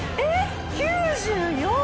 ┐９４